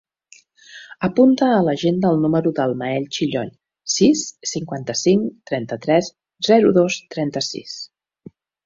Apunta a l'agenda el número del Mael Chillon: sis, cinquanta-cinc, trenta-tres, zero, dos, trenta-sis.